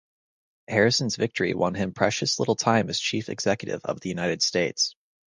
Harrison's victory won him precious little time as chief executive of the United States.